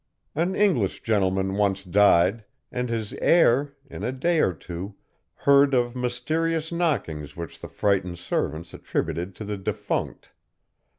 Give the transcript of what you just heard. An English gentleman once died, and his heir, in a day or two, heard of mysterious knockings which the frightened servants attributed to the defunct.